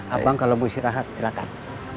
abang kalau mau istirahat silahkan